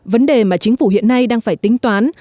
vấn đề mà chính phủ hiện nay đang phải tính toán